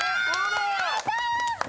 やった！